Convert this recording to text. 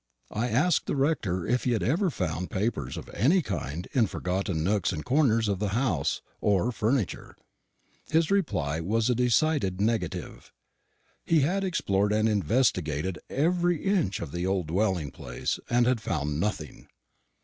I asked the rector if he had ever found papers of any kind in forgotten nooks and corners of the house or the furniture. His reply was a decided negative. He had explored and investigated every inch of the old dwelling place, and had found nothing.